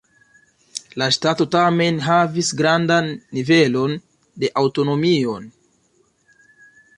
La ŝtato tamen havis grandan nivelon de aŭtonomio.